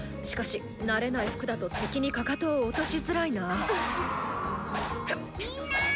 しかし慣れない服だと敵にかかとを落としづらいな。